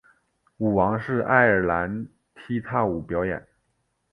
舞王是爱尔兰踢踏舞表演。